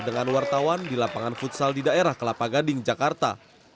dengan wartawan di lapangan futsal di daerah kelapa gading jakarta